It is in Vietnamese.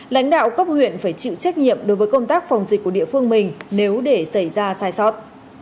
lãnh đạo cấp huyện phải chịu trách nhiệm đối với công tác phòng dịch của địa phương mình nếu để xảy ra sai sót